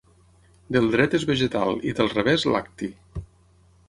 Del dret és vegetal i del revés lacti.